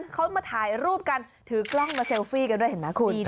เขามาถ่ายรูปกันถือกล้องมาเซลฟี่กันด้วยเห็นไหมคุณ